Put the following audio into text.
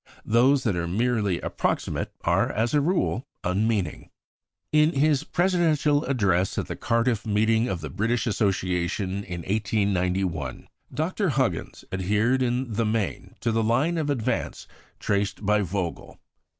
Those that are merely approximate are, as a rule, unmeaning. In his Presidential Address at the Cardiff Meeting of the British Association in 1891, Dr. Huggins adhered in the main to the line of advance traced by Vogel.